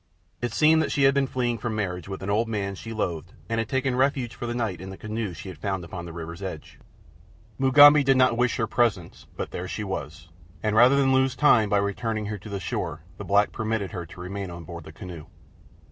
It seemed that she had been fleeing from marriage with an old man she loathed and had taken refuge for the night in the canoe she had found upon the river's edge. Mugambi did not wish her presence, but there she was, and rather than lose time by returning her to the shore the black permitted her to remain on board the canoe.